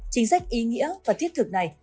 chính sách ý nghĩa và thiết thực này